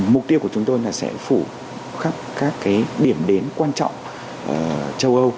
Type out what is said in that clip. mục tiêu của chúng tôi là sẽ phủ khắp các điểm đến quan trọng châu âu